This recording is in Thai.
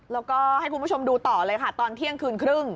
แล้วก็ให้คุณผู้ชมดูต่อเลยค่ะตอนเที่ยงคืนครึ่ง